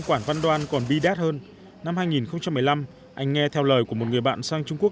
quản văn đoan còn bi đét hơn năm hai nghìn một mươi năm anh nghe theo lời của một người bạn sang trung quốc